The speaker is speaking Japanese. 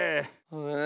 え。